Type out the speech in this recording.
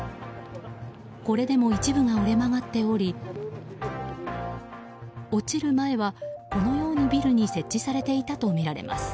これでも一部が折れ曲がっており落ちる前は、このようにビルに設置されていたとみられます。